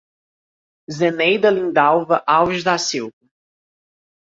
Zeneida Lindalva Alves da Silva